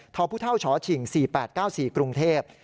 ทพชฉิง๔๘๙๔กรุงเทพฯ